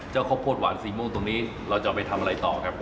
เจ้าข้าวโคตรหวานสีม่วงตรงนี้เราจะไปทำอะไรต่อครับ